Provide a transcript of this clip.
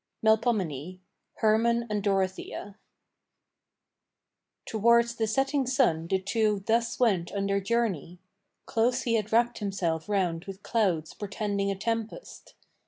MELPOMENE HERMANN AND DOROTHEA Towards the setting sun the two thus went on their journey: Close he had wrapped himself round with clouds portending a tempest.